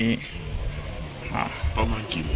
ประมาณกี่โมง